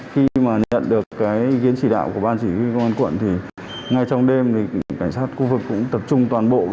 khi mà nhận được cái kiến chỉ đạo của ban chỉ huy công an quận thì ngay trong đêm thì cảnh sát khu vực cũng tập trung toàn bộ